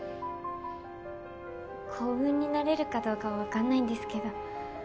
幸運になれるかどうかは分かんないんですけど。